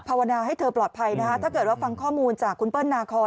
นาให้เธอปลอดภัยนะคะถ้าเกิดว่าฟังข้อมูลจากคุณเปิ้ลนาคอน